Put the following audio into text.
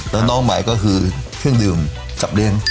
แล้วน้องใหม่ก็คือเครื่องดื่มกับเลี้ยง